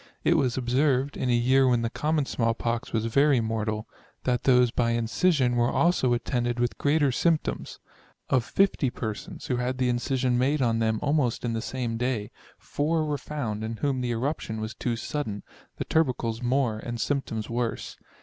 It was observed, in a year when the common small pox was very mortal, that those by incision were also attended with greater symp toms. Of 50 persons, who had the incision made on them almost in the same day, 4 were found in whom the eruption was too sudden, the tubercles more, and symptoms worse.